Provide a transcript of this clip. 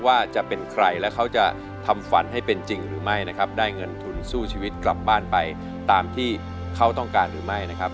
ว่าจะเป็นใครและเขาจะทำฝันให้เป็นจริงหรือไม่นะครับได้เงินทุนสู้ชีวิตกลับบ้านไปตามที่เขาต้องการหรือไม่นะครับ